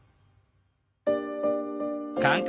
感覚